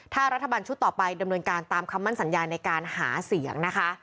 ถ้ารัฐบาลชุดต่อไปดำเนินการตามคำมั่นสัญญาในการหาเสียงนะคะ